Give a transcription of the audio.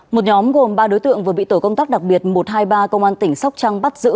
một nhóm gồm ba đối tượng vừa bị tổ công tác đặc biệt một trăm hai mươi ba công an tỉnh sóc trăng bắt giữ